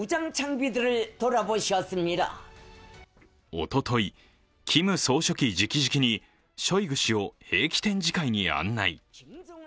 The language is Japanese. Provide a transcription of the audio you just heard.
おととい、キム総書記じきじきにショイグ氏を兵器展示会に案内。